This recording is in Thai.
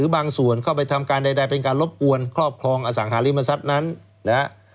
บางส่วนเข้าไปทำการใดเป็นการรบกวนครอบครองอสังหาริมทรัพย์นั้นนะฮะ